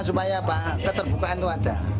supaya keterbukaan itu ada